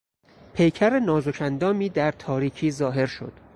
پیکر نازک اندامی در تاریکی ظاهر شد.